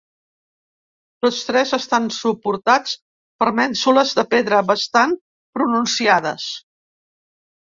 Tots tres estan suportats per mènsules de pedra bastant pronunciades.